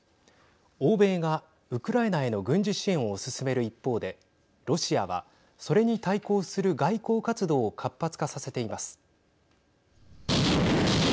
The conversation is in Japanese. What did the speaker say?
欧米がウクライナへの軍事支援を進める一方でロシアはそれに対抗する外交活動を活発化させています。